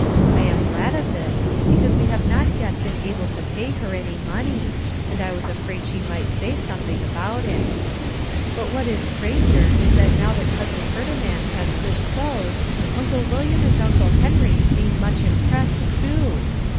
I am glad of this because we have not yet been able to pay her any money and I was afraid she might say something about it. But what is stranger is that now that Cousin Ferdinand has good clothes, Uncle William and Uncle Henry seem much impressed too.